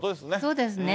そうですね。